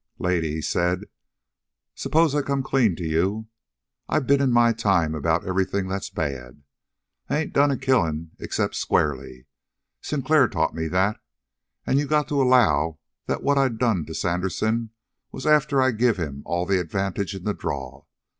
"Lady," he said, "suppose I come clean to you? I been in my time about everything that's bad. I ain't done a killing except squarely. Sinclair taught me that. And you got to allow that what I done to Sandersen was after I give him all the advantage in the draw.